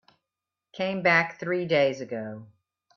Came back three days ago.